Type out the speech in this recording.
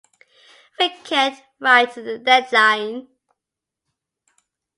We can't write to deadline.